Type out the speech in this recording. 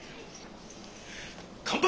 乾杯！